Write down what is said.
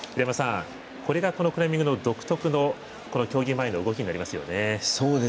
これが、このクライミングの独特の競技前の動きになりますよね。